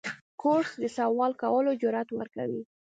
کورس د سوال کولو جرأت ورکوي.